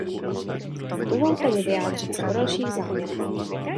Dovolte mi vyjádřit se o dalších závěrech.